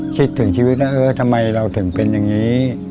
คิดถึงชีวิตว่าเออทำไมเราถึงเป็นอย่างนี้